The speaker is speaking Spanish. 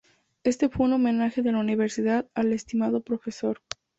Este fue un homenaje de la Universidad al estimado Profesor.